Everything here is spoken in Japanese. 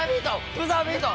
ブザービート！